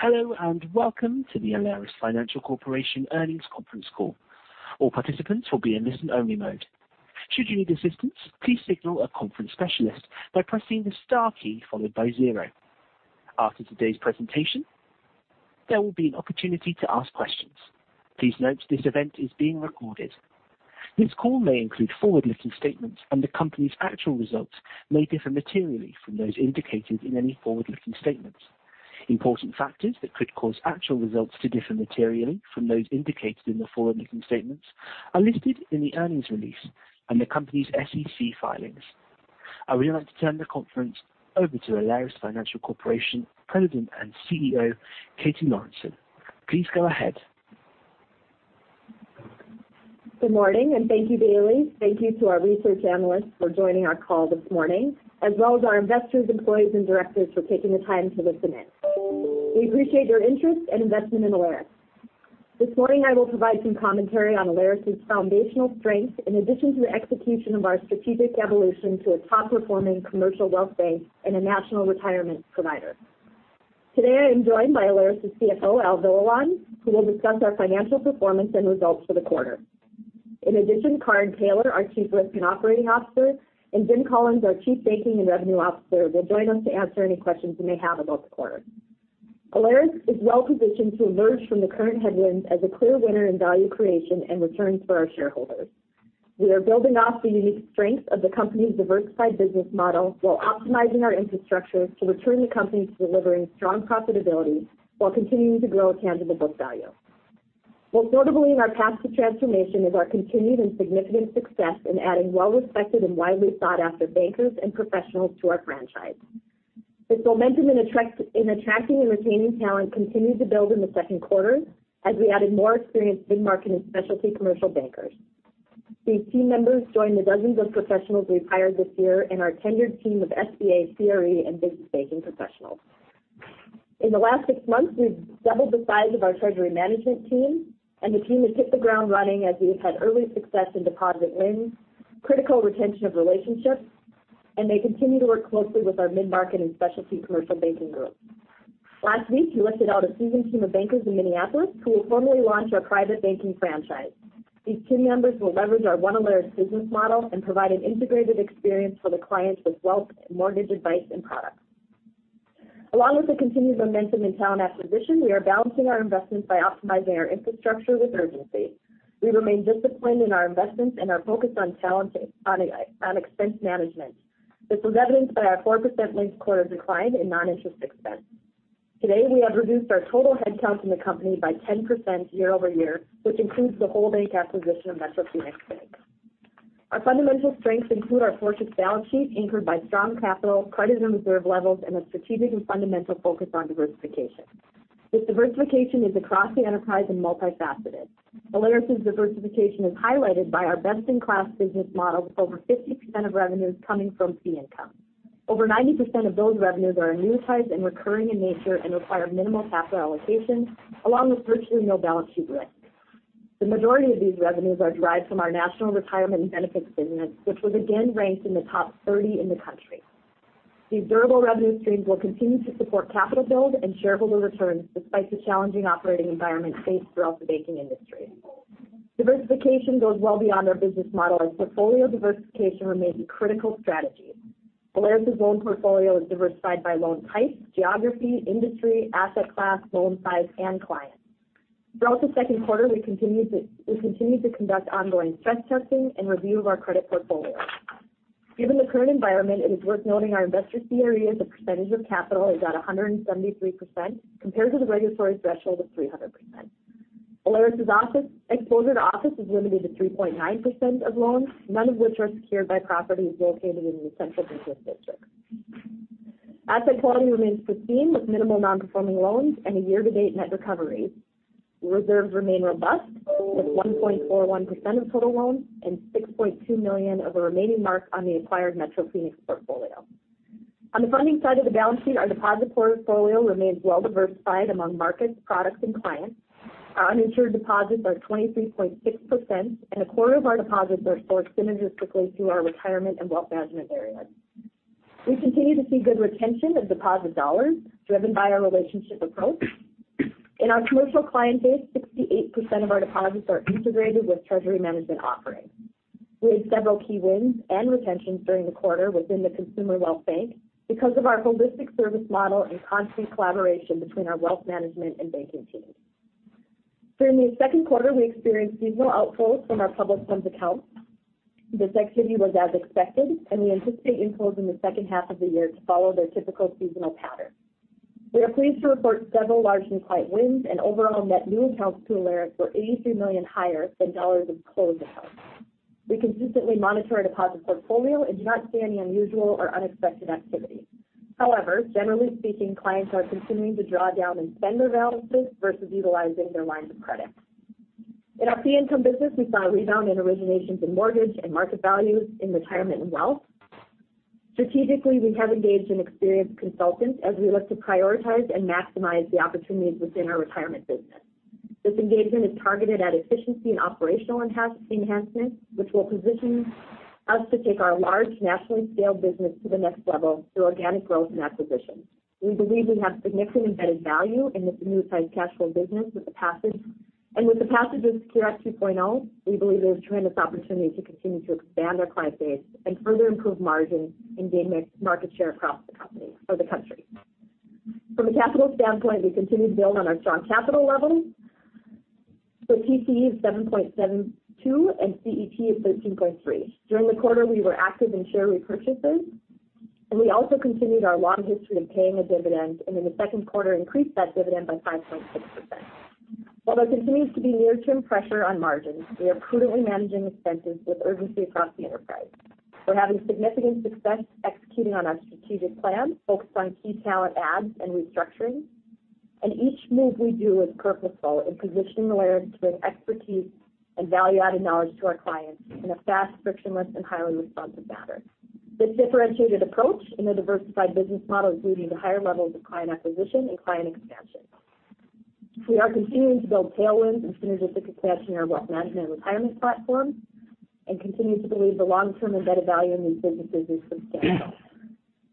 Hello, welcome to the Alerus Financial Corporation earnings conference call. All participants will be in listen-only mode. Should you need assistance, please signal a conference specialist by pressing the star key followed by zero. After today's presentation, there will be an opportunity to ask questions. Please note, this event is being recorded. This call may include forward-looking statements, and the company's actual results may differ materially from those indicated in any forward-looking statements. Important factors that could cause actual results to differ materially from those indicated in the forward-looking statements are listed in the earnings release and the company's SEC filings. I would like to turn the conference over to Alerus Financial Corporation President and CEO, Katie Lorenson. Please go ahead. Good morning. Thank you, Bailey. Thank you to our research analysts for joining our call this morning, as well as our investors, employees, and directors for taking the time to listen in. We appreciate your interest and investment in Alerus. This morning, I will provide some commentary on Alerus's foundational strength, in addition to the execution of our strategic evolution to a top-performing commercial wealth bank and a national retirement provider. Today, I am joined by Alerus's CFO, Al Villalon, who will discuss our financial performance and results for the quarter. In addition, Karin Taylor, our Chief Risk and Operating Officer, and Jim Collins, our Chief Banking and Revenue Officer, will join us to answer any questions you may have about the quarter. Alerus is well-positioned to emerge from the current headwinds as a clear winner in value creation and returns for our shareholders. We are building off the unique strengths of the company's diversified business model while optimizing our infrastructure to return the company to delivering strong profitability while continuing to grow tangible book value. Most notably, in our path to transformation is our continued and significant success in adding well-respected and widely sought-after bankers and professionals to our franchise. This momentum in attracting and retaining talent continued to build in the second quarter as we added more experienced mid-market and specialty commercial bankers. These team members joined the dozens of professionals we've hired this year and our tenured team of SBA, CRE, and business banking professionals. In the last six months, we've doubled the size of our treasury management team. The team has hit the ground running as we have had early success in deposit wins, critical retention of relationships, and they continue to work closely with our mid-market and specialty commercial banking group. Last week, we lifted out a seasoned team of bankers in Minneapolis who will formally launch our private banking franchise. These team members will leverage our One Alerus business model and provide an integrated experience for the clients with wealth, mortgage advice, and products. Along with the continued momentum in talent acquisition, we are balancing our investments by optimizing our infrastructure with urgency. We remain disciplined in our investments. Are focused on talent and on expense management. This was evidenced by our 4% linked quarter decline in non-interest expense. Today, we have reduced our total headcount in the company by 10% year-over-year, which includes the whole bank acquisition of Metro Phoenix Bank. Our fundamental strengths include our fortress balance sheet, anchored by strong capital, credit, and reserve levels, and a strategic and fundamental focus on diversification. This diversification is across the enterprise and multifaceted. Alerus's diversification is highlighted by our best-in-class business model, with over 50% of revenues coming from fee income. Over 90% of those revenues are annualized and recurring in nature and require minimal capital allocation, along with virtually no balance sheet risk. The majority of these revenues are derived from our national retirement and benefits business, which was again ranked in the top 30 in the country. These durable revenue streams will continue to support capital build and shareholder returns despite the challenging operating environment faced throughout the banking industry. Diversification goes well beyond our business model, as portfolio diversification remains a critical strategy. Alerus's loan portfolio is diversified by loan type, geography, industry, asset class, loan size, and client. Throughout the second quarter, we continued to conduct ongoing stress testing and review of our credit portfolio. Given the current environment, it is worth noting our investor CRE as a percentage of capital is at 173%, compared to the regulatory threshold of 300%. Alerus's office exposure to office is limited to 3.9% of loans, none of which are secured by properties located in the central business district. Asset quality remains pristine, with minimal nonperforming loans and a year-to-date net recovery. Reserves remain robust, with 1.41% of total loans and $6.2 million of the remaining mark on the acquired Metro Phoenix portfolio. The funding side of the balance sheet, our deposit portfolio remains well diversified among markets, products, and clients. Our uninsured deposits are 23.6%, a quarter of our deposits are sourced synergistically through our retirement and wealth management areas. We continue to see good retention of deposit dollars, driven by our relationship approach. In our commercial client base, 68% of our deposits are integrated with treasury management offerings. We had several key wins and retentions during the quarter within the consumer wealth bank because of our holistic service model and constant collaboration between our wealth management and banking teams. During the second quarter, we experienced seasonal outflows from our public funds accounts. This activity was as expected, and we anticipate inflows in the second half of the year to follow their typical seasonal pattern. We are pleased to report several large and client wins and overall net new accounts to Alerus were $83 million higher than dollars of closed accounts. We consistently monitor our deposit portfolio and do not see any unusual or unexpected activity. However, generally speaking, clients are continuing to draw down and spend their balances versus utilizing their lines of credit. In our fee income business, we saw a rebound in originations in mortgage and market values in retirement and wealth. Strategically, we have engaged in experienced consultants as we look to prioritize and maximize the opportunities within our retirement business. This engagement is targeted at efficiency and operational enhancement, which will position us to take our large nationally scaled business to the next level through organic growth and acquisitions. We believe we have significant embedded value in this new size cash flow business with the passage. With the passage of SECURE 2.0 Act, we believe there's tremendous opportunity to continue to expand our client base and further improve margin and gain market share across the company or the country. From a capital standpoint, we continue to build on our strong capital levels. TCE is 7.72%, and CET is 13.3%. During the quarter, we were active in share repurchases, and we also continued our long history of paying a dividend, and in the second quarter, increased that dividend by 5.6%. While there continues to be near-term pressure on margins, we are prudently managing expenses with urgency across the enterprise. We're having significant success executing on our strategic plan, focused on key talent adds and restructuring. Each move we do is purposeful in positioning Alerus to bring expertise and value-added knowledge to our clients in a fast, frictionless, and highly responsive manner. This differentiated approach and a diversified business model is leading to higher levels of client acquisition and client expansion. We are continuing to build tailwinds and synergistic expansion in our wealth management and retirement platforms, and continue to believe the long-term embedded value in these businesses is substantial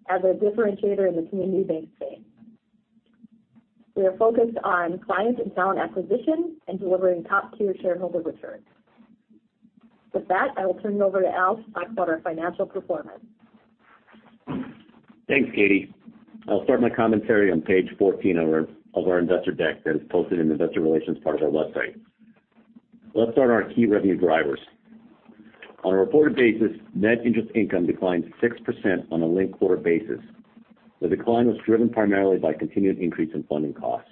as a differentiator in the community bank space. We are focused on client and talent acquisition and delivering top-tier shareholder returns. With that, I will turn it over to Al to talk about our financial performance. Thanks, Katie. I'll start my commentary on page 14 of our investor deck that is posted in the investor relations part of our website. Let's start on our key revenue drivers. On a reported basis, net interest income declined 6% on a linked-quarter basis. The decline was driven primarily by continued increase in funding costs.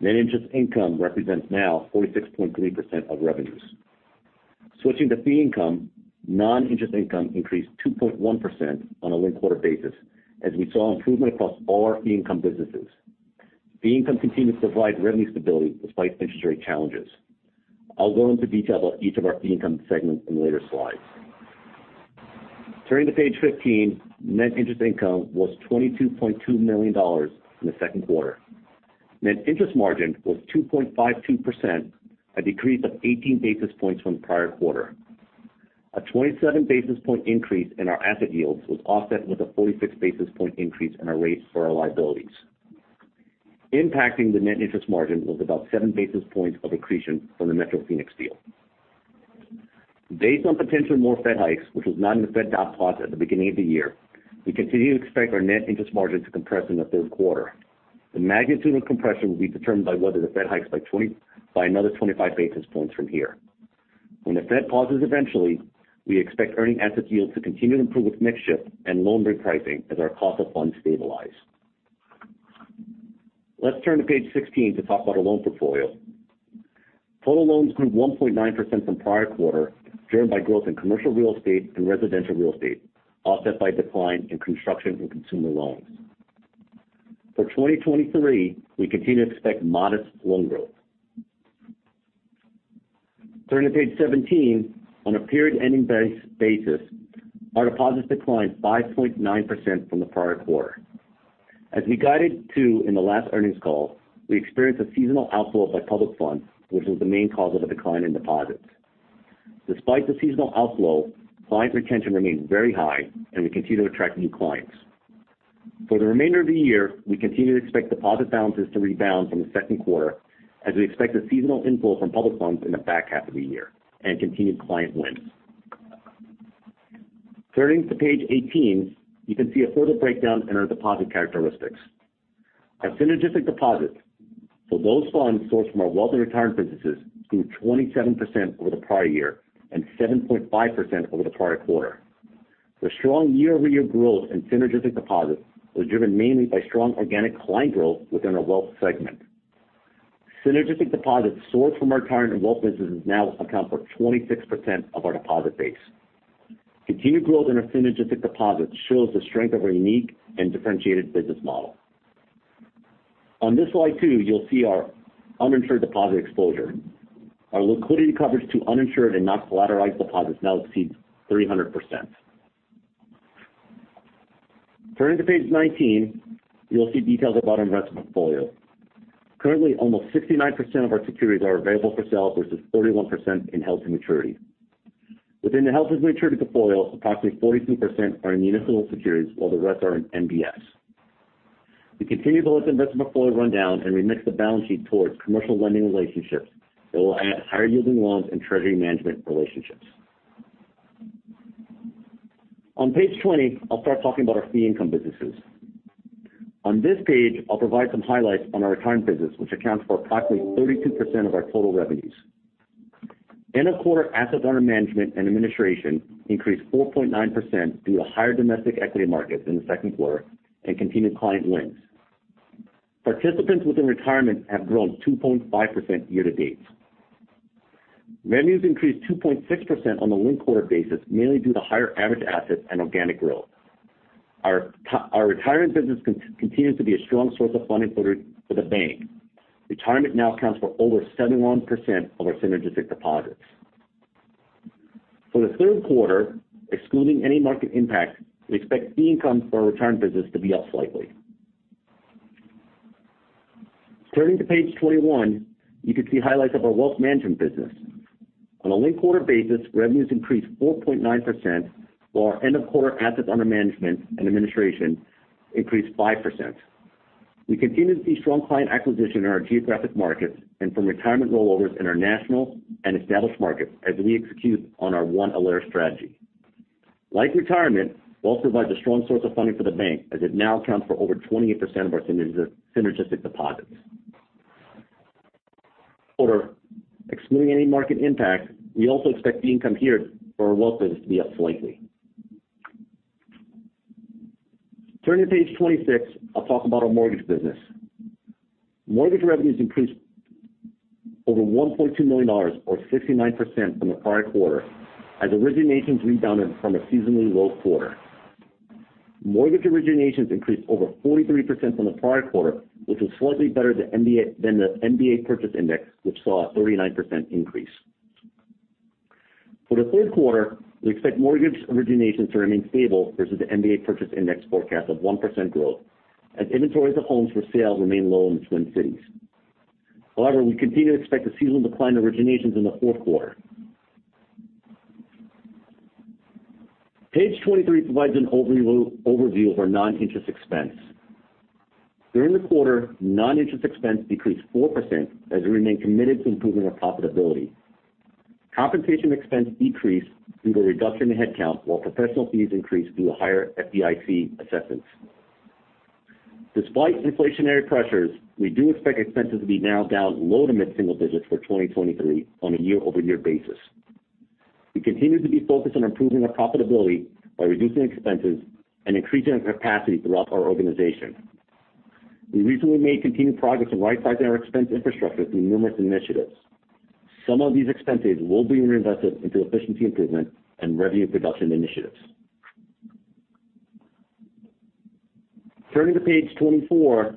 Net interest income represents now 46.3% of revenues. Switching to fee income, non-interest income increased 2.1% on a linked-quarter basis, as we saw improvement across all our fee income businesses. Fee income continued to provide revenue stability despite interest rate challenges. I'll go into detail about each of our fee income segments in later slides. Turning to page 15, net interest income was $22.2 million in the second quarter. Net interest margin was 2.52%, a decrease of 18 basis points from the prior quarter. A 27 basis point increase in our asset yields was offset with a 46 basis point increase in our rates for our liabilities. Impacting the net interest margin was about 7 basis points of accretion from the Metro Phoenix deal. Based on potential more Fed hikes, which was not in the Fed dot plot at the beginning of the year, we continue to expect our net interest margin to compress in the third quarter. The magnitude of compression will be determined by whether the Fed hikes by another 25 basis points from here. When the Fed pauses eventually, we expect earning asset yields to continue to improve with mix shift and loan repricing as our cost of funds stabilize. Let's turn to page 16 to talk about our loan portfolio. Total loans grew 1.9% from prior quarter, driven by growth in commercial real estate and residential real estate, offset by decline in construction and consumer loans. For 2023, we continue to expect modest loan growth. Turning to page 17, on a period-ending basis, our deposits declined 5.9% from the prior quarter. As we guided to in the last earnings call, we experienced a seasonal outflow of public funds, which was the main cause of the decline in deposits. Despite the seasonal outflow, client retention remains very high, and we continue to attract new clients. For the remainder of the year, we continue to expect deposit balances to rebound from the second quarter, as we expect a seasonal inflow from public funds in the back half of the year and continued client wins. Turning to page 18, you can see a further breakdown in our deposit characteristics. Our synergistic deposits, so those funds sourced from our wealth and retirement businesses, grew 27% over the prior year and 7.5% over the prior quarter. The strong year-over-year growth in synergistic deposits was driven mainly by strong organic client growth within our wealth segment. Synergistic deposits sourced from our retirement and wealth businesses now account for 26% of our deposit base. Continued growth in our synergistic deposits shows the strength of our unique and differentiated business model. On this slide, too, you'll see our uninsured deposit exposure. Our liquidity coverage to uninsured and not collateralized deposits now exceeds 300%. Turning to page 19, you'll see details about our investment portfolio. Currently, almost 69% of our securities are available for sale, versus 31% in held to maturity. Within the held to maturity portfolio, approximately 42% are in municipal securities, while the rest are in MBS. We continue to let the investment portfolio run down and remix the balance sheet towards commercial lending relationships that will add higher-yielding loans and treasury management relationships. On page 20, I'll start talking about our fee income businesses. On this page, I'll provide some highlights on our retirement business, which accounts for approximately 32% of our total revenues. End of quarter, assets under management and administration increased 4.9% due to higher domestic equity markets in the second quarter and continued client wins. Participants within retirement have grown 2.5% year to date. Revenues increased 2.6% on a linked-quarter basis, mainly due to higher average assets and organic growth. Our retirement business continues to be a strong source of funding for the bank. Retirement now accounts for over 71% of our synergistic deposits. For the 3rd quarter, excluding any market impact, we expect fee income for our retirement business to be up slightly. Turning to page 21, you can see highlights of our wealth management business. On a linked quarter basis, revenues increased 4.9%, while our end of quarter assets under management and administration increased 5%. We continue to see strong client acquisition in our geographic markets and from retirement rollovers in our national and established markets as we execute on our One Alerus strategy. Like retirement, wealth provides a strong source of funding for the bank, as it now accounts for over 28% of our synergistic deposits. Excluding any market impact, we also expect the income here for our wealth business to be up slightly. Turning to page 26, I'll talk about our mortgage business. Mortgage revenues increased over $1.2 million, or 59% from the prior quarter, as originations rebounded from a seasonally low quarter. Mortgage originations increased over 43% from the prior quarter, which was slightly better than the MBA Purchase Index, which saw a 39% increase. For the third quarter, we expect mortgage originations to remain stable versus the MBA Purchase Index forecast of 1% growth, as inventories of homes for sale remain low in the Twin Cities. However, we continue to expect a seasonal decline in originations in the fourth quarter. Page 23 provides an overview of our non-interest expense. During the quarter, non-interest expense decreased 4% as we remain committed to improving our profitability. Compensation expense decreased through the reduction in headcount, while professional fees increased through a higher FDIC assessments. Despite inflationary pressures, we do expect expenses to be now down low to mid-single digits for 2023 on a year-over-year basis. We continue to be focused on improving our profitability by reducing expenses and increasing our capacity throughout our organization. We recently made continued progress in rightsizing our expense infrastructure through numerous initiatives. Some of these expenses will be reinvested into efficiency improvement and revenue production initiatives. Turning to page 24,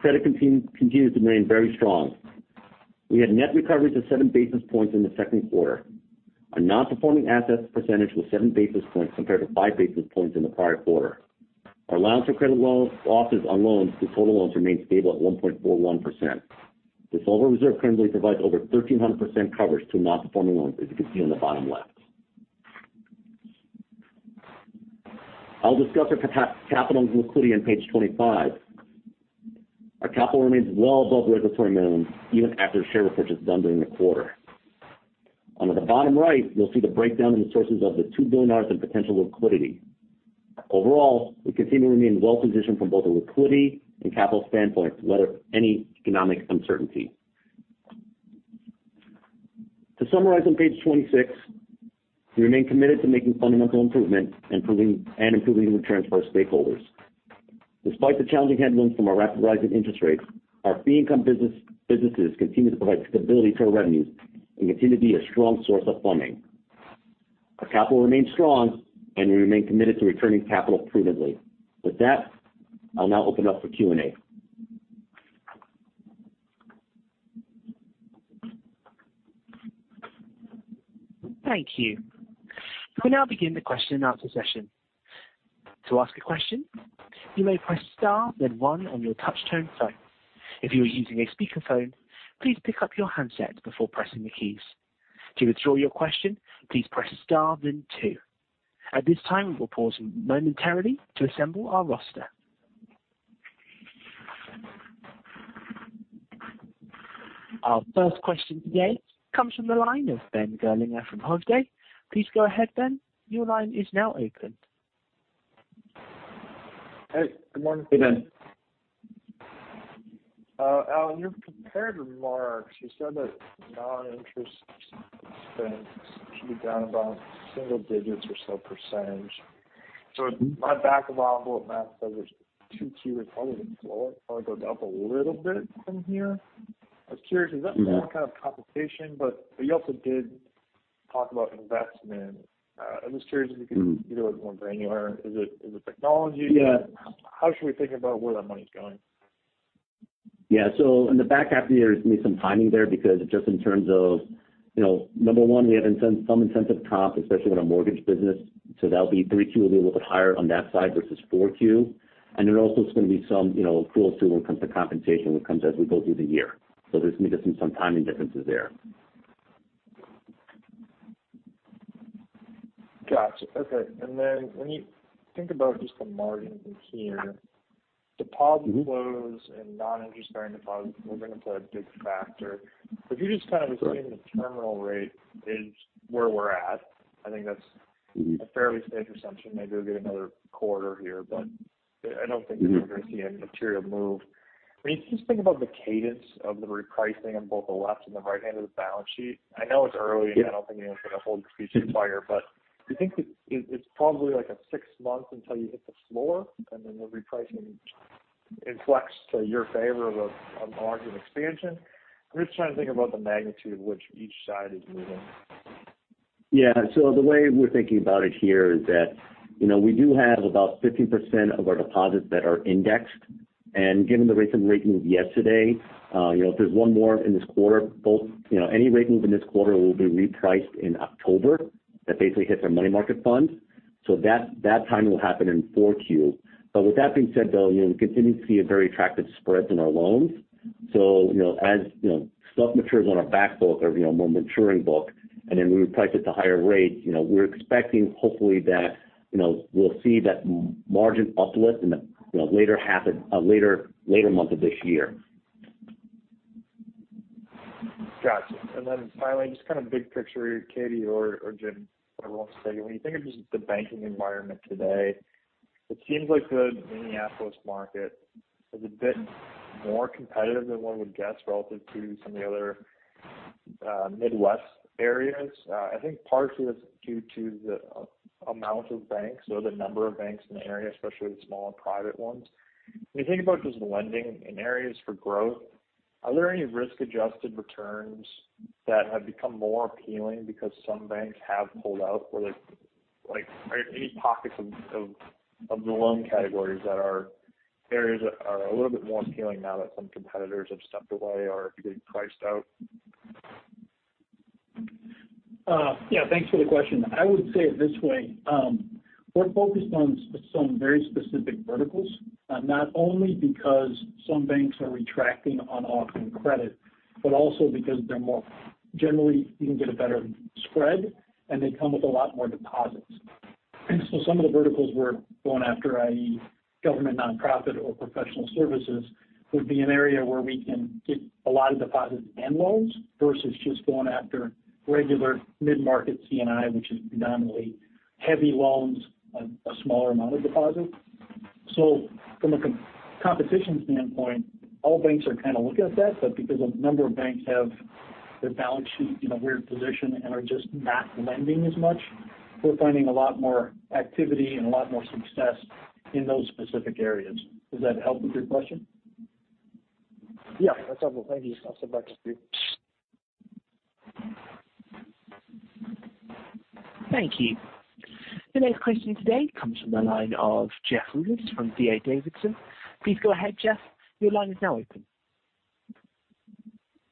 credit continues to remain very strong. We had net recoveries of 7 basis points in the second quarter. Our non-performing assets percentage was seven basis points compared to five basis points in the prior quarter. Our allowance for credit loss on loans to total loans remained stable at 1.41%. This overall reserve currently provides over 1,300% coverage to non-performing loans, as you can see on the bottom left. I'll discuss our capital and liquidity on page 25. Our capital remains well above the regulatory minimum, even after share repurchase done during the quarter. On the bottom right, you'll see the breakdown in the sources of the $2 billion in potential liquidity. Overall, we continue to remain well positioned from both a liquidity and capital standpoint to weather any economic uncertainty. To summarize on page 26, we remain committed to making fundamental improvements and improving returns for our stakeholders. Despite the challenging headwinds from our rapid rising interest rates, our fee income businesses continue to provide stability to our revenues and continue to be a strong source of funding. Our capital remains strong, and we remain committed to returning capital prudently. With that, I'll now open up for Q&A. Thank you. We now begin the question and answer session. To ask a question, you may press star, then one on your touchtone phone. If you are using a speakerphone, please pick up your handset before pressing the keys. To withdraw your question, please press star, then two. At this time, we will pause momentarily to assemble our roster. Our first question today comes from the line of Ben Gerlinger from Hovde. Please go ahead, Ben. Your line is now open. Hey, good morning. Hey, Ben. Al, in your prepared remarks, you said that non-interest expense should be down about single digits or so %. My back of envelope math says it's 2Q it probably will go up a little bit from here. I was curious, is that more kind of compensation, but you also did talk about investment? I'm just curious if you could, you know, it more granular. Is it technology? Yeah. How should we think about where that money's going? Yeah. In the back half of the year, there's going to be some timing there because just in terms of, you know, number one, we have some incentive comp, especially with our mortgage business. That'll be 3Q will be a little bit higher on that side versus 4Q. There also is going to be some, you know, accrual too, when it comes to compensation as we go through the year. There's going to be some timing differences there. Gotcha. Okay. When you think about just the margins in here, deposit flows and non-interest bearing deposits are going to play a big factor. If you're just kind of assuming the terminal rate is where we're at, I think that's a fairly safe assumption. Maybe we'll get another quarter here, but I don't think we're going to see a material move. When you just think about the cadence of the repricing on both the left and the right hand of the balance sheet, I know it's early, and I don't think anyone's going to hold the speech fire. Do you think it's probably like a six months until you hit the floor and then the repricing inflects to your favor of a margin expansion? I'm just trying to think about the magnitude of which each side is moving. The way we're thinking about it here is that, you know, we do have about 50% of our deposits that are indexed. And given the recent rate move yesterday, you know, if there's one more in this quarter, both, you know, any rate moves in this quarter will be repriced in October. That basically hits our money market fund. That, that timing will happen in 4Q. With that being said, though, you know, we continue to see a very attractive spread in our loans. As, you know, stuff matures on our back book or, you know, more maturing book, and then we reprice it to higher rates, you know, we're expecting hopefully that, you know, we'll see that margin uplift in the, you know, later half of later month of this year. Gotcha. Finally, just kind of big picture here, Katie or Jim, whoever wants to take it. When you think of just the banking environment today, it seems like the Minneapolis market is a bit more competitive than one would guess, relative to some of the other Midwest areas. I think partially it's due to the amount of banks or the number of banks in the area, especially the small and private ones. When you think about just lending in areas for growth, are there any risk-adjusted returns that have become more appealing because some banks have pulled out? Are any pockets of the loan categories that are areas that are a little bit more appealing now that some competitors have stepped away or getting priced out? Yeah, thanks for the question. I would say it this way. We're focused on some very specific verticals, not only because some banks are retracting on offering credit, but also because they're more. Generally, you can get a better spread, and they come with a lot more deposits. Some of the verticals we're going after, i.e., government, nonprofit, or professional services, would be an area where we can get a lot of deposits and loans versus just going after regular mid-market C&I, which is predominantly heavy loans and a smaller amount of deposits. From a competition standpoint, all banks are kind of looking at that, but because a number of banks have their balance sheet in a weird position and are just not lending as much, we're finding a lot more activity and a lot more success in those specific areas. Does that help with your question? Yeah, that's helpful. Thank you. Much appreciate. Thank you. The next question today comes from the line of Jeff Rulis from D.A. Davidson. Please go ahead, Jeff. Your line is now open.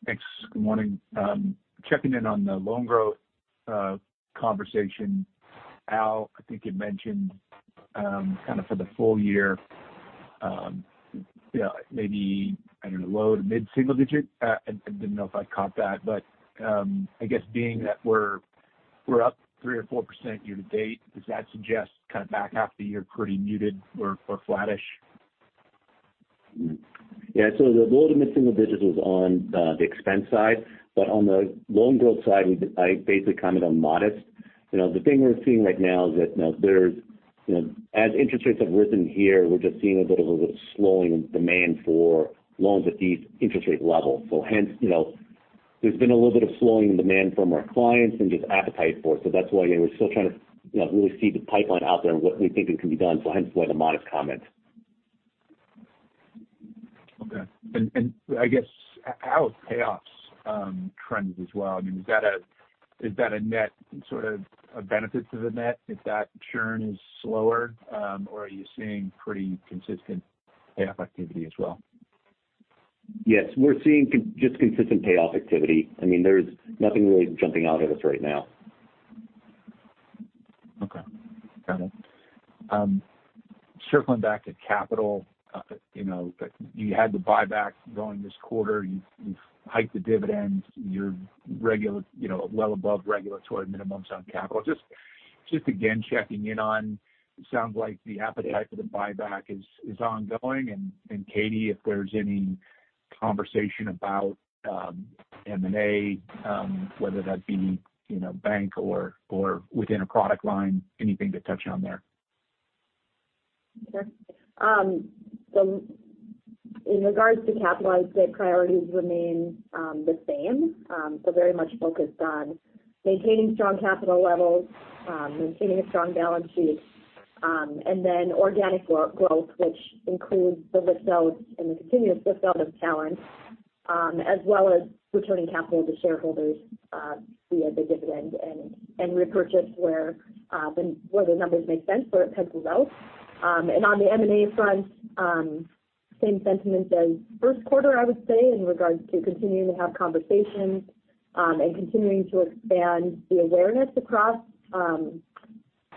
Thanks. Good morning. Checking in on the loan growth conversation, Al. I think you mentioned, kind of for the full year, you know, maybe, I don't know, low to mid-single digit. I didn't know if I caught that, but, I guess being that we're up 3% or 4% year-to-date, does that suggest kind of back half of the year pretty muted or flattish? Yeah. The low to mid single digits was on the expense side, but on the loan growth side, I basically commented on modest. You know, the thing we're seeing right now is that, you know, there's, you know, as interest rates have risen here, we're just seeing a little bit of slowing demand for loans at these interest rate levels. Hence, you know, there's been a little bit of slowing demand from our clients and just appetite for it. That's why, you know, we're still trying to, you know, really see the pipeline out there and what we think it can be done, hence why the modest comment. Okay. I guess how are payoffs, trends as well? I mean, is that a net, sort of a benefit to the net if that churn is slower, or are you seeing pretty consistent payoff activity as well? Yes, we're seeing just consistent payoff activity. I mean, there's nothing really jumping out at us right now. Okay. Got it. Circling back to capital, you know, you had the buyback going this quarter. You've hiked the dividends. You're you know, well above regulatory minimums on capital. Just again, checking in on, sounds like the appetite for the buyback is ongoing. Katie, if there's any conversation about M&A, whether that be, you know, bank or within a product line, anything to touch on there? Sure. In regards to capital, I'd say priorities remain the same. Very much focused on maintaining strong capital levels, maintaining a strong balance sheet, and organic growth, which includes the lift-out and the continuous lift-out of talent, as well as returning capital to shareholders via the dividend and repurchase where, when, where the numbers make sense, where it pencils out. On the M&A front, same sentiment as first quarter, I would say, in regards to continuing to have conversations, continuing to expand the awareness across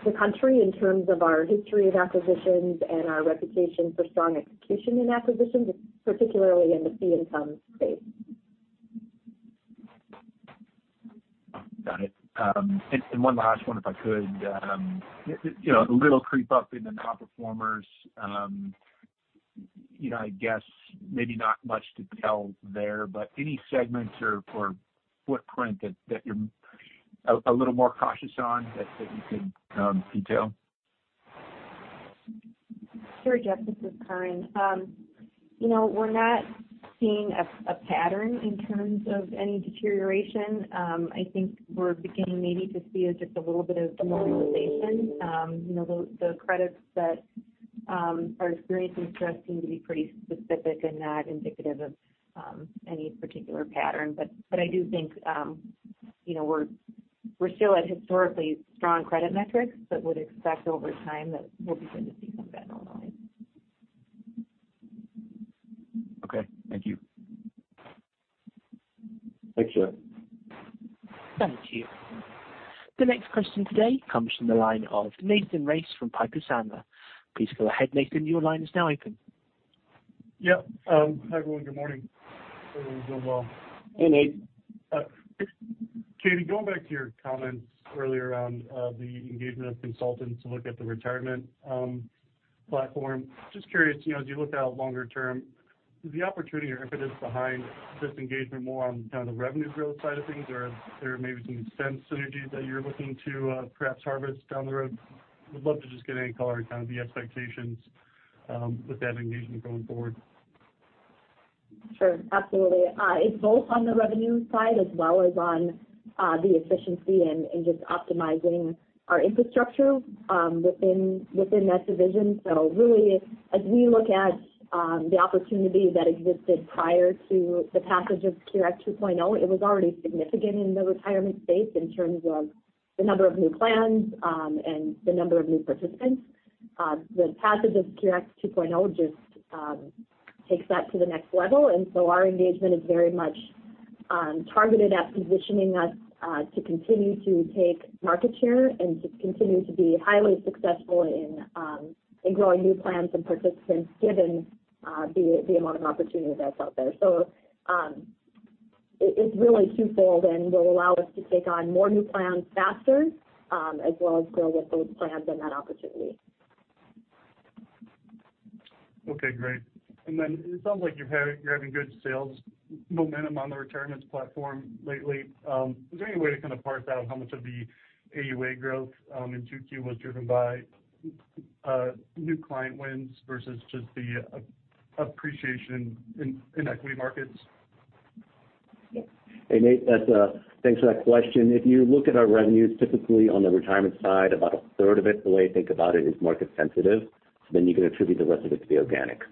the country in terms of our history of acquisitions and our reputation for strong execution in acquisitions, particularly in the fee income space. Got it. One last one, if I could. You know, the little creep up in the nonperformers, you know, I guess maybe not much to tell there, but any segments or footprint that you're a little more cautious on that, that you could detail? Sure, Jeff, this is Karin. you know, we're not seeing a, a pattern in terms of any deterioration. I think we're beginning maybe to see just a little bit of stabilization. you know, the, the credits that, are experiencing stress seem to be pretty specific and not indicative of, any particular pattern. I do think, you know, we're still at historically strong credit metrics, but would expect over time that we'll begin to see some of that normalize. Okay, thank you. Thanks, Jeff. Thank you. The next question today comes from the line of Nathan Race from Piper Sandler. Please go ahead, Nathan, your line is now open. Yeah. Hi, everyone. Good morning. Hope you're doing well. Hey, Nate. Katie, going back to your comments earlier around the engagement of consultants to look at the retirement platform. Just curious, you know, as you look out longer term, is the opportunity or impetus behind this engagement more on kind of the revenue growth side of things, or are there maybe some expense synergies that you're looking to perhaps harvest down the road? Would love to just get any color on kind of the expectations with that engagement going forward. Sure, absolutely. It's both on the revenue side as well as on the efficiency and just optimizing our infrastructure within that division. As we look at the opportunity that existed prior to the passage of SECURE 2.0 Act, it was already significant in the retirement space in terms of the number of new plans and the number of new participants. The passage of SECURE 2.0 Act just takes that to the next level. Our engagement is very much targeted at positioning us to continue to take market share and to continue to be highly successful in growing new plans and participants, given the amount of opportunity that's out there. It's really twofold and will allow us to take on more new plans faster, as well as grow with those plans and that opportunity. Okay, great. It sounds like you're having good sales momentum on the retirements platform lately. Is there any way to kind of parse out how much of the AUA growth in 2Q was driven by new client wins versus just the appreciation in equity markets? Hey, Nate, that's thanks for that question. If you look at our revenues, typically on the retirement side, about a third of it, the way I think about it, is market sensitive, then you can attribute the rest of it to be organic.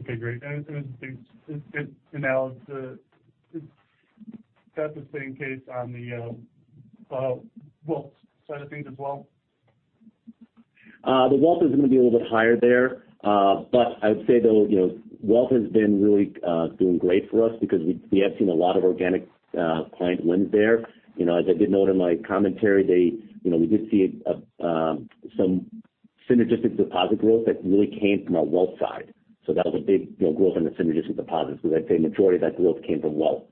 Okay, great. I think it's, you know, is that the same case on the wealth side of things as well? The wealth is going to be a little bit higher there. I would say, though, you know, wealth has been really doing great for us because we, we have seen a lot of organic client wins there. You know, as I did note in my commentary, they, you know, we did see some synergistic deposit growth that really came from our wealth side. That was a big, you know, growth in the synergistic deposits. I'd say majority of that growth came from wealth.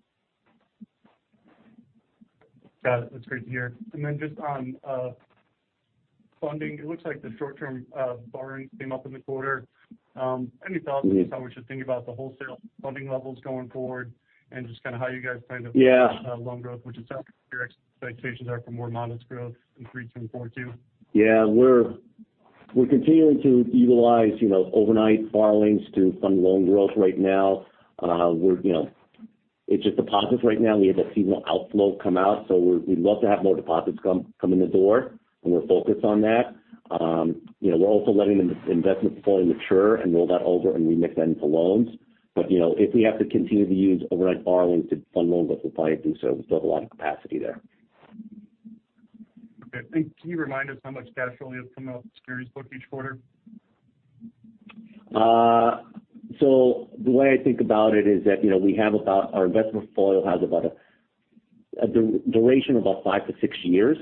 Got it. That's great to hear. Just on funding, it looks like the short-term borrowing came up in the quarter. Any thoughts on how we should think about the wholesale funding levels going forward and just kind of how you guys plan to-? Yeah. loan growth, which is how your expectations are for more modest growth in 3, 2, and 4Q? Yeah. We're continuing to utilize, you know, overnight borrowings to fund loan growth right now. We're, you know, it's just deposits right now. We had that seasonal outflow come out, we'd love to have more deposits come in the door, and we're focused on that. You know, we're also letting the investment portfolio mature and roll that over and remix that into loans. You know, if we have to continue to use overnight borrowings to fund loans, we'll probably do so. We still have a lot of capacity there. Okay, thanks. Can you remind us how much cash flow you have from the securities book each quarter? The way I think about it is that, you know, we have about our investment portfolio has about a duration of about five to six years.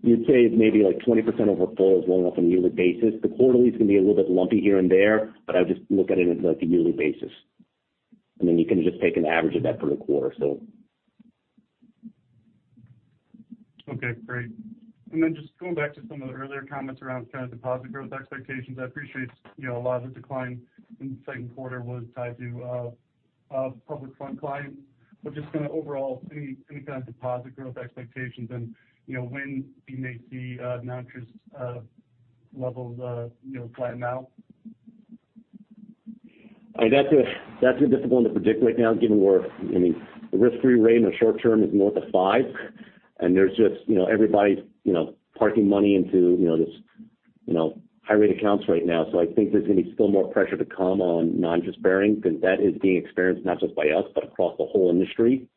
You'd say maybe like 20% of our portfolio is rolling off on a yearly basis. The quarterly is going to be a little bit lumpy here and there, but I would just look at it as like a yearly basis. You can just take an average of that for the quarter. Okay, great. Just going back to some of the earlier comments around kind of deposit growth expectations. I appreciate, you know, a lot of the decline in the second quarter was tied to public fund clients. Just kind of overall, any kind of deposit growth expectations and, you know, when we may see non-interest levels, you know, flatten out? I mean, that's a difficult one to predict right now, given I mean, the risk-free rate in the short term is more than five, and there's just, you know, everybody's, you know, parking money into, you know, this, you know, high-rate accounts right now. I think there's going to be still more pressure to come on non-interest bearing, because that is being experienced not just by us, but across the whole industry.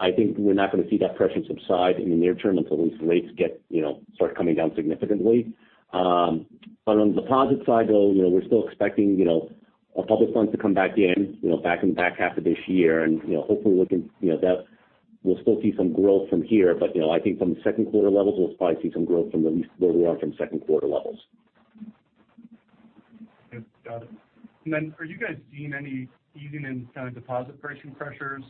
I think we're not going to see that pressure subside in the near term until these rates get, you know, start coming down significantly. On the deposit side, though, you know, we're still expecting, you know, our public funds to come back in, you know, back in the back half of this year. Hopefully, we can, you know, that we'll still see some growth from here. You know, I think from second quarter levels, we'll probably see some growth from at least where we are from second quarter levels. Okay. Got it. Are you guys seeing any easing in kind of deposit pricing pressures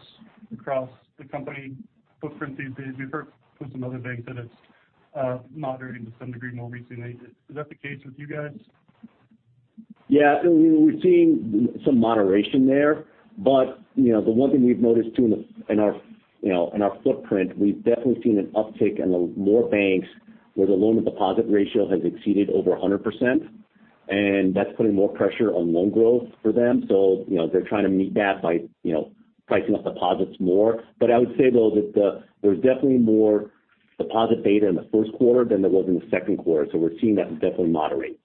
across the company footprint these days? We've heard from some other banks that it's moderating to some degree more recently. Is that the case with you guys? Yeah, we're seeing some moderation there. You know, the one thing we've noticed, too, in our, you know, footprint, we've definitely seen an uptick in the more banks where the loan-to-deposit ratio has exceeded over 100%, that's putting more pressure on loan growth for them. You know, they're trying to meet that by, you know, pricing up deposits more. I would say, though, that there's definitely more deposit beta in the first quarter than there was in the second quarter. We're seeing that definitely moderate.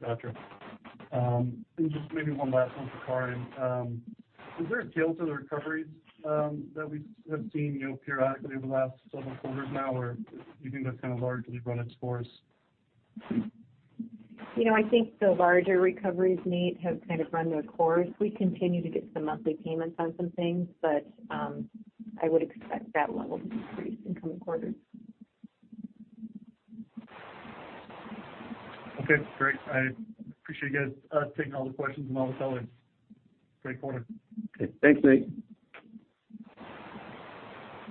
Gotcha. Just maybe one last one for Karin. Is there a tail to the recoveries that we have seen, you know, periodically over the last several quarters now, or do you think that's kind of largely run its course? You know, I think the larger recoveries, Nate, have kind of run their course. We continue to get some monthly payments on some things, but I would expect that level to decrease in coming quarters. Okay, great. I appreciate you guys, taking all the questions and all the follow-ups. Great quarter. Okay. Thanks, Nate.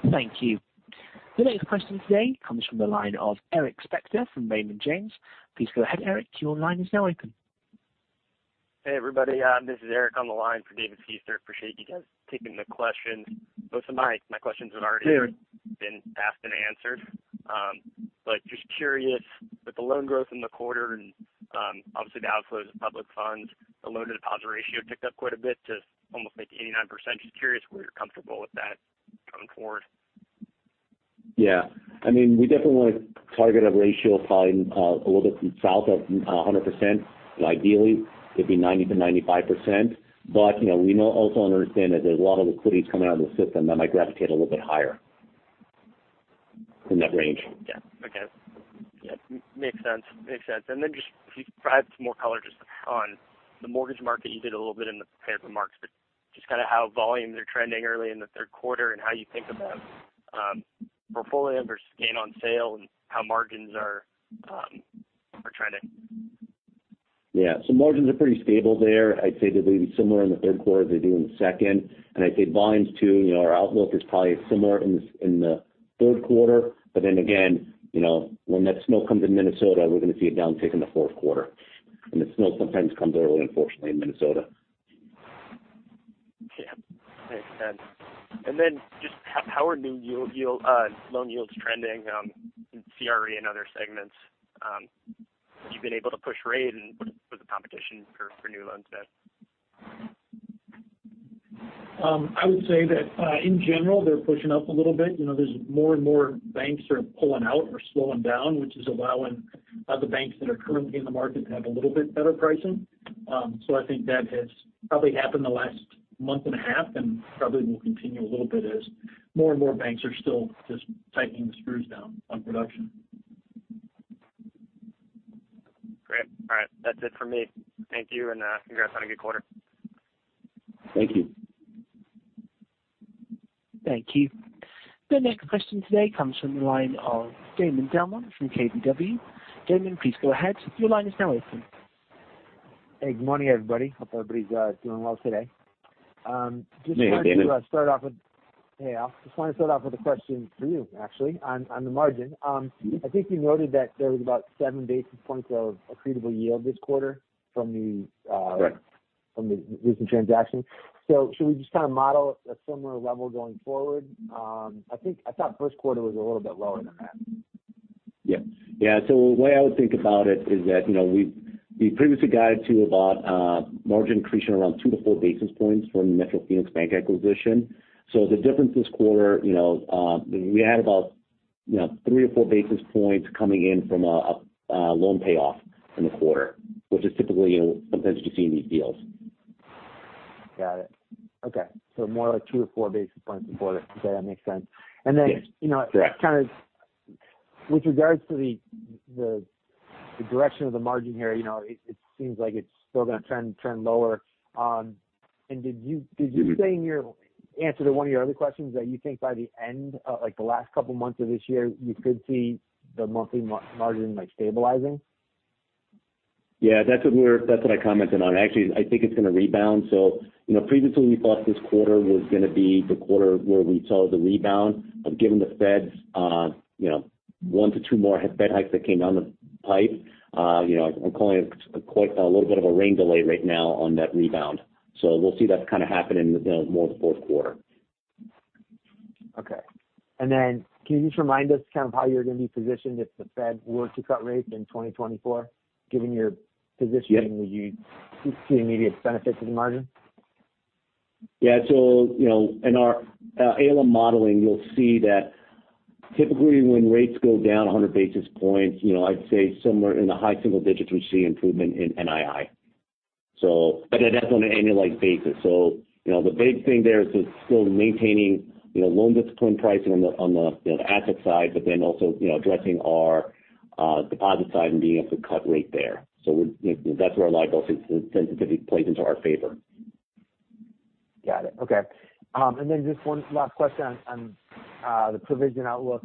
Thank you. The next question today comes from the line of Eric Spector from Raymond James. Please go ahead, Eric. Your line is now open. Hey, everybody, this is Eric on the line for David Feaster. Appreciate you guys taking the questions. Most of my questions. Hey. been asked and answered. Just curious, with the loan growth in the quarter and, obviously the outflows of public funds, the loan-to-deposit ratio ticked up quite a bit to almost make it 89%. Just curious where you're comfortable with that going forward? Yeah. I mean, we definitely want to target a ratio of probably, a little bit south of, 100%. Ideally, it'd be 90%-95%. You know, we know also understand that there's a lot of liquidity coming out of the system that might gravitate a little bit higher in that range. Yeah. Okay. Yeah, makes sense. Makes sense. Just if you could provide some more color just on the mortgage market. You did a little bit in the prepared remarks, but just kind of how volumes are trending early in the third quarter and how you think about portfolio versus gain on sale and how margins are trending. Yeah. Margins are pretty stable there. I'd say they're maybe similar in the third quarter as they do in the second. I'd say volumes, too, you know, our outlook is probably similar in the, in the third quarter. Again, you know, when that snow comes in Minnesota, we're going to see a downtick in the fourth quarter. The snow sometimes comes early, unfortunately, in Minnesota. Yeah. Makes sense. Just how are new yield, loan yields trending, in CRE and other segments? You've been able to push rate and what is the competition for new loans then? I would say that, in general, they're pushing up a little bit. You know, there's more and more banks are pulling out or slowing down, which is allowing other banks that are currently in the market to have a little bit better pricing. I think that has probably happened in the last month and a half, and probably will continue a little bit as more and more banks are still just tightening the screws down on production. Great. All right. That's it for me. Thank you, and congrats on a good quarter. Thank you. Thank you. The next question today comes from the line of Damon DelMonte from KBW. Damon, please go ahead. Your line is now open. Hey, good morning, everybody. Hope everybody's doing well today. Hey, Damon. Hey, Al, just want to start off with a question for you, actually, on the margin. Mm-hmm. I think you noted that there was about 7 basis points of accretable yield this quarter from the- Right from the recent transaction. Should we just kind of model a similar level going forward? I thought first quarter was a little bit lower than that. Yeah. Yeah, the way I would think about it is that, you know, we previously guided to about margin accretion around 2-4 basis points from the Metro Phoenix Bank acquisition. The difference this quarter, you know, we had about, you know, 3 or 4 basis points coming in from a loan payoff in the quarter, which is typically, you know, sometimes you see in these deals. Got it. Okay. More like 2-4 basis points before that. Okay, that makes sense. Yeah. you know- Correct -kind of with regards to the direction of the margin here, you know, it, it seems like it's still going to trend lower. Did you, did you say in your answer to one of your other questions that you think by the end, like the last couple of months of this year, you could see the monthly margin, like, stabilizing? Yeah, that's what I commented on. Actually, I think it's going to rebound. You know, previously, we thought this quarter was going to be the quarter where we saw the rebound. Given the Feds, you know, one to two more Fed hikes that came down the pipe, you know, I'm calling it quite a little bit of a rain delay right now on that rebound. We'll see that kind of happen in, you know, more the fourth quarter. Okay. Then can you just remind us kind of how you're going to be positioned if the Fed were to cut rates in 2024? Given your positioning. Yeah Would you see immediate benefit to the margin? Yeah. you know, in our ALM modeling, you'll see that typically when rates go down 100 basis points, you know, I'd say somewhere in the high single digits, we see improvement in NII. But that's on an annualized basis. you know, the big thing there is just still maintaining, you know, loan discipline pricing on the, on the, the asset side, but then also, you know, addressing our deposit side and being able to cut rate there. That's where a lot of sensitivity plays into our favor. Got it. Okay. Just one last question on the provision outlook.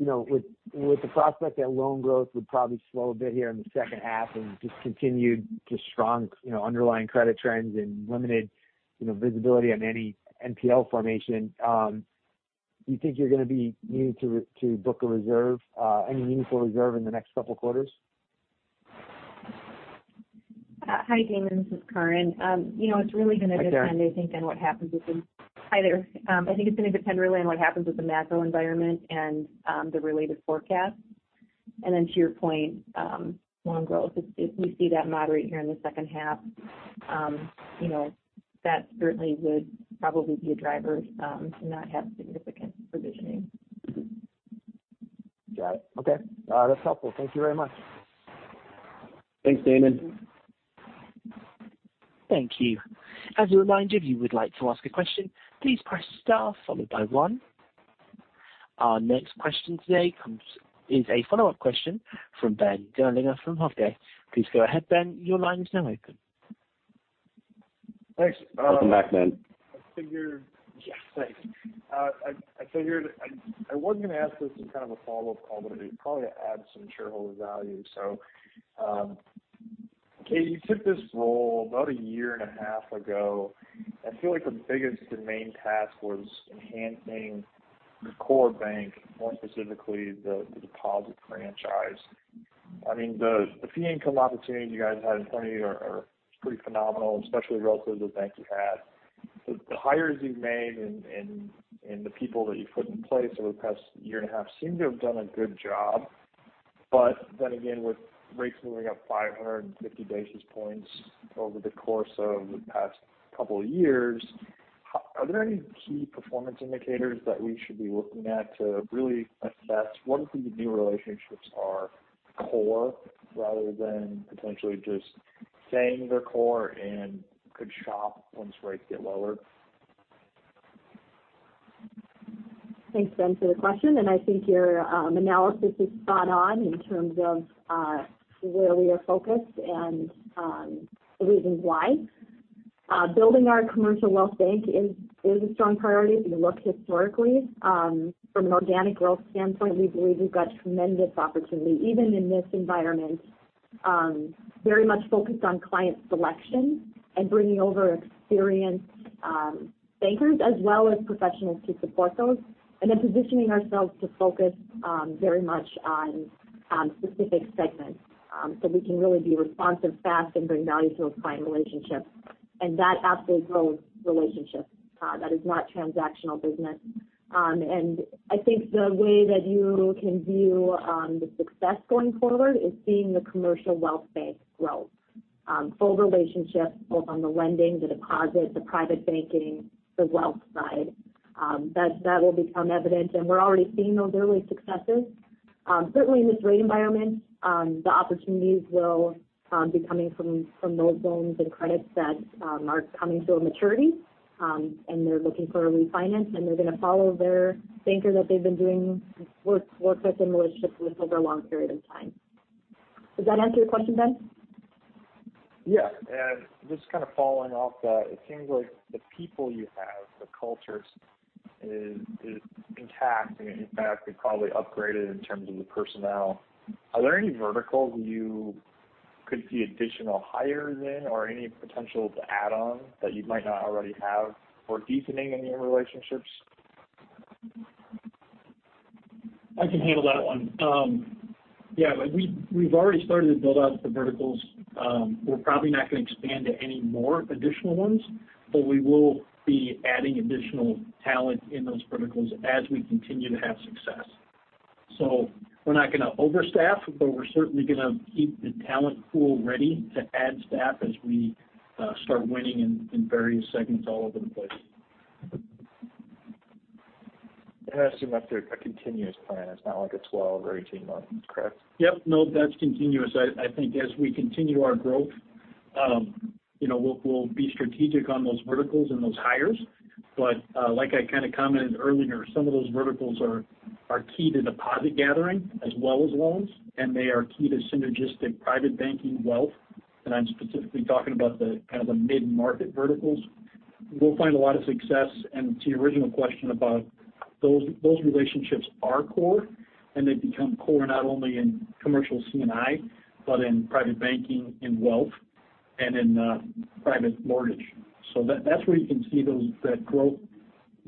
You know, with the prospect that loan growth would probably slow a bit here in the second half and just continue just strong, you know, underlying credit trends and limited, you know, visibility on any NPL formation, do you think you're going to be needing to book a reserve, any meaningful reserve in the next couple of quarters? Hi, Damon, this is Karin. you know, it's really going to depend. Hi, Karin. Hi, there. I think it's going to depend really on what happens with the macro environment and the related forecast. To your point, loan growth, if we see that moderate here in the second half, you know. That certainly would probably be a driver to not have significant provisioning. Got it. Okay. That's helpful. Thank you very much. Thanks, Damon. Thank you. As a reminder, if you would like to ask a question, please press star followed by one. Our next question today is a follow-up question from Ben Gerlinger from Hovde. Please go ahead, Ben. Your line is now open. Thanks. Welcome back, Ben. Yes, thanks. I figured I was gonna ask this in kind of a follow-up call, it would probably add some shareholder value. Katie, you took this role about a year and a half ago. I feel like the biggest and main task was enhancing the core bank, more specifically, the deposit franchise. I mean, the fee income opportunities you guys had in front of you are pretty phenomenal, especially relative to the bank you had. The hires you've made and the people that you've put in place over the past year and a half seem to have done a good job. Again, with rates moving up 550 basis points over the course of the past couple of years, are there any key performance indicators that we should be looking at to really assess whether the new relationships are core, rather than potentially just saying they're core and could shop once rates get lower? Thanks, Ben, for the question. I think your analysis is spot on in terms of where we are focused and the reasons why. Building our commercial wealth bank is a strong priority. If you look historically, from an organic growth standpoint, we believe we've got tremendous opportunity, even in this environment. Very much focused on client selection and bringing over experienced bankers as well as professionals to support those, positioning ourselves to focus very much on specific segments. We can really be responsive fast and bring value to those client relationships. That absolutely grows relationships. That is not transactional business. I think the way that you can view the success going forward is seeing the commercial wealth bank growth. Full relationships, both on the lending, the deposits, the private banking, the wealth side, that will become evident, and we're already seeing those early successes. Certainly in this rate environment, the opportunities will be coming from those loans and credits that are coming to a maturity, and they're looking for a refinance, and they're gonna follow their banker that they've been doing work with and relationships with over a long period of time. Does that answer your question, Ben? Yeah. Just kind of following off that, it seems like the people you have, the culture is intact, and in fact, you've probably upgraded in terms of the personnel. Are there any verticals you could see additional hires in or any potential to add on that you might not already have for deepening any relationships? I can handle that one. Yeah, we've already started to build out the verticals. We're probably not gonna expand to any more additional ones, but we will be adding additional talent in those verticals as we continue to have success. We're not gonna overstaff, but we're certainly gonna keep the talent pool ready to add staff as we start winning in various segments all over the place. I assume that's a continuous plan. It's not like a 12 or 18 months, correct? Yep. No, that's continuous. I think as we continue our growth, you know, we'll, we'll be strategic on those verticals and those hires. Like I kind of commented earlier, some of those verticals are key to deposit gathering as well as loans, and they are key to synergistic private banking wealth. I'm specifically talking about the kind of the mid-market verticals. We'll find a lot of success. To your original question about those, those relationships are core, and they become core not only in commercial C&I, but in private banking, in wealth, and in private mortgage. That's where you can see those, that growth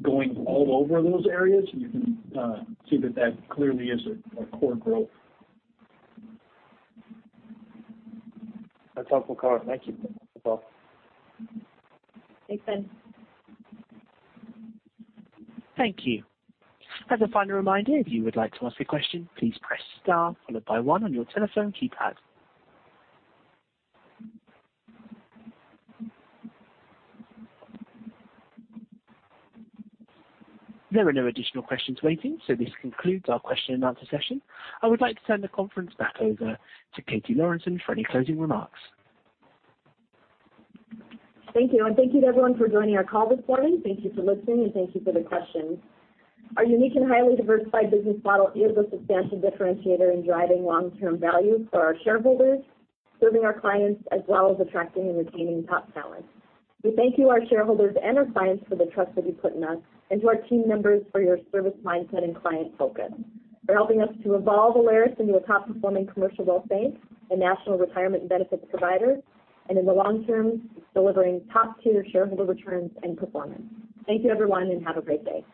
going all over those areas. You can see that that clearly is a core growth. That's helpful, Collins. Thank you. You're welcome. Thanks, Ben. Thank you. As a final reminder, if you would like to ask a question, please press star followed by one on your telephone keypad. There are no additional questions waiting. This concludes our question and answer session. I would like to turn the conference back over to Katie Lorenson for any closing remarks. Thank you. I thank you to everyone for joining our call this morning. Thank you for listening. Thank you for the questions. Our unique and highly diversified business model is a substantial differentiator in driving long-term value for our shareholders, serving our clients, as well as attracting and retaining top talent. We thank you, our shareholders and our clients, for the trust that you put in us and to our team members for your service mindset and client focus. You're helping us to evolve Alerus into a top-performing commercial wealth bank and national retirement benefits provider. In the long term, delivering top-tier shareholder returns and performance. Thank you, everyone. Have a great day.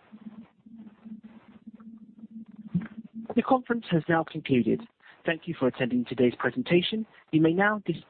The conference has now concluded. Thank you for attending today's presentation. You may now dis-.